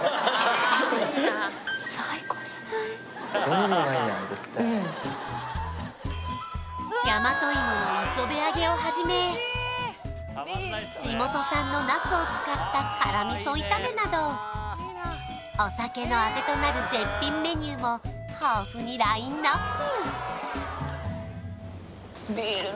うまい大和芋の磯辺揚げをはじめ地元産の茄子を使った辛味噌炒めなどお酒のあてとなる絶品メニューも豊富にラインナップ